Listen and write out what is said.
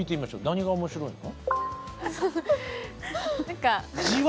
何が面白いの？